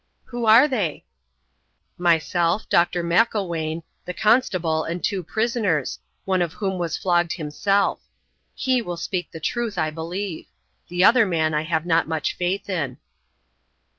"Who are they?" "Myself, Dr. Macklewain, the constable, and two prisoners, one of whom was flogged himself. He will speak the truth, I believe. The other man I have not much faith in."